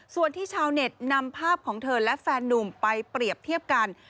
ส่วนที่ชาวเน็ตนำภาพของเธอและแฟนนุ่มไปเปรียบเทียบกัน